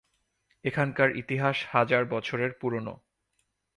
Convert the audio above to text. এখানকার ইতিহাস হাজার বছরের পুরনো।